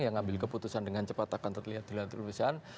yang ambil keputusan dengan cepat akan terlihat di luar perusahaan